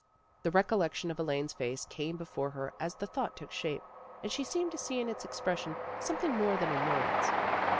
The recollection of Elaine's face came before her as the thought took shape, and she seemed to see in its expression something more than annoy ance.